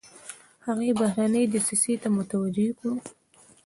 هغې بهرنۍ دسیسې ته متوجه کړو.